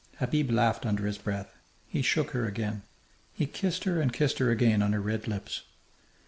Habib laughed under his breath. He shook her again. He kissed her and kissed her again on her red lips.